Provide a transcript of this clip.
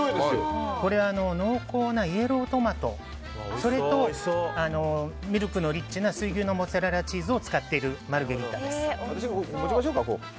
これは濃厚なイエロートマトとミルクがリッチな水牛のモッツァレラチーズを使っているマルゲリータです。